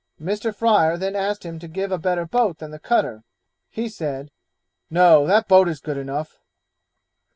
Mr. Fryer then asked him to give a better boat than the cutter; he said, 'No, that boat is good enough.'